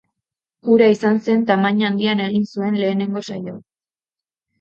Hura izan zen tamaina handian egin zuen lehenengo saioa.